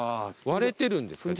割れてるんですか？